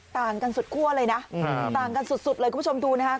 ต่างกันสุดคั่วเลยนะต่างกันสุดเลยคุณผู้ชมดูนะฮะ